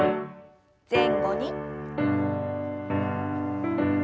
前後に。